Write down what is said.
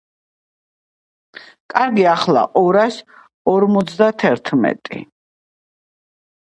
კარგი, ახლა ორას ორმოცდათერთმეტი.